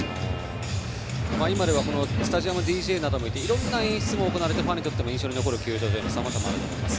今ではスタジアムＤＪなどもいていろんな演出が行われていて、ファンにとっても印象に残る球場はさまざまあると思います。